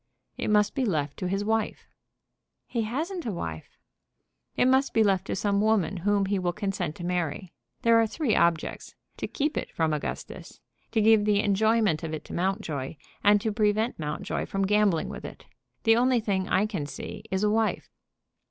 "It must be left to his wife." "He hasn't a wife." "It must be left to some woman whom he will consent to marry. There are three objects: to keep it from Augustus; to give the enjoyment of it to Mountjoy; and to prevent Mountjoy from gambling with it. The only thing I can see is a wife."